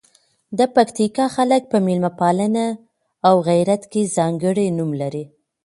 د پکتیکا خلګ په میلمه پالنه او غیرت کې ځانکړي نوم لزي.